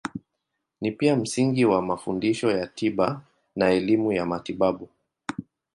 Ni pia msingi wa mafundisho ya tiba na elimu ya matibabu.